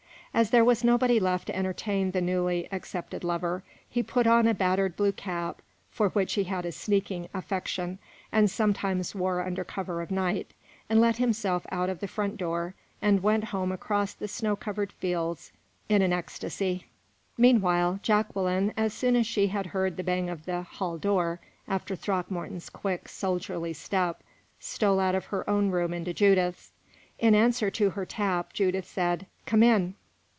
As there was nobody left to entertain the newly accepted lover, he put on a battered blue cap, for which he had a sneaking affection, and sometimes wore under cover of night, and let himself out of the front door and went home across the snow covered fields, in an ecstasy. Meanwhile, Jacqueline, as soon as she had heard the bang of the hall door after Throckmorton's quick, soldierly step, stole out of her own room into Judith's. In answer to her tap, Judith said, "Come in."